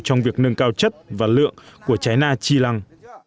trong việc nâng cao chất và lượng của trái na chi lăng